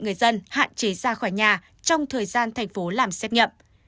người dân hạn chế ra khỏi nhà trong thời gian thành phố làm xét nghiệm